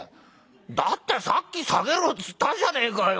「だってさっき『下げろ』っつったじゃねえかよ。